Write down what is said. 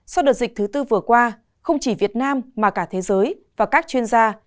sau đợt dịch thứ tư vừa qua không chỉ việt nam mà cả thế giới và các chuyên gia